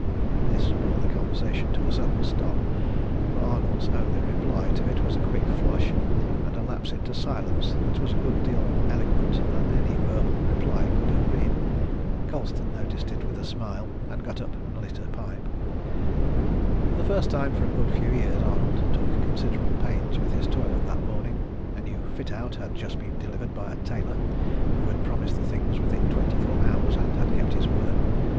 This brought the conversation to a sudden stop, for Arnold's only reply to it was a quick flush, and a lapse into silence that was a good deal more eloquent than any verbal reply could have been. Colston noticed it with a smile, and got up and lit a pipe. For the first time for a good few years Arnold took considerable pains with his toilet that morning. A new fit out had just been delivered by a tailor who had promised the things within twenty four hours, and had kept his word.